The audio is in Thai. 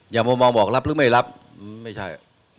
อย่ามามองบอกรับหรือไม่รับไม่ใช่